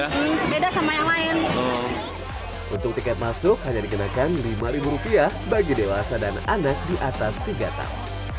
sama yang lain untuk tiket masuk hanya dikenakan lima ribu rupiah bagi dewasa dan anak di atas tiga tahun